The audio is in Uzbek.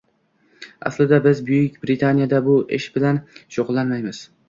Aslida biz Buyuk Britaniyada bu ish bilan shugʻullanmaymiz